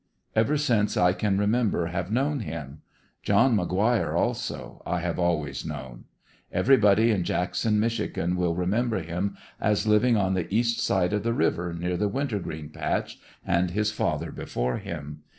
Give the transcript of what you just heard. Ever since I can remember have known him. John Maguire also, I have always known. Everybody in Jackson, Mich. , will remember him, as livin ^ on the east side of the river near the wintergreen patch, and his father before him.